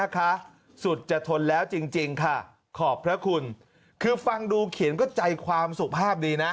คือฟังดูเขียนก็ใจความสุขภาพดีนะ